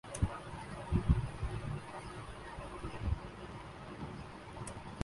جو والدین بچوں کا برا بھلا کہتے ہیں اسکے اثرات کا انکو بخوبی اندازہ ہو گا